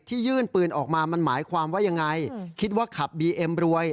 ยื่นปืนออกมามันหมายความว่ายังไงคิดว่าขับบีเอ็มรวย